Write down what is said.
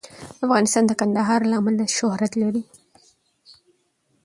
افغانستان د کندهار له امله شهرت لري.